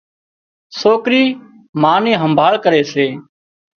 سوڪري ما نِي همڀاۯ ڪري سي